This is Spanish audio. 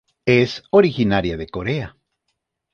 Es originaria de Corea.